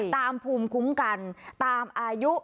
ภูมิคุ้มกันตามอายุ